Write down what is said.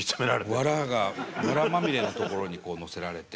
わらまみれのところに乗せられて。